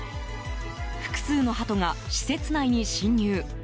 複数のハトが施設内に侵入。